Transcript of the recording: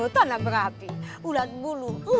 tanah berapi ulat bulu